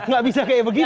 gak bisa kayak begitu